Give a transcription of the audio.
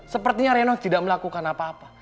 sepertinya renov tidak melakukan apa apa